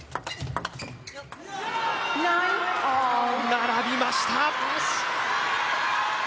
並びました！